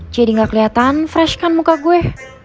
jadi nggak kelihatan fresh kan muka gue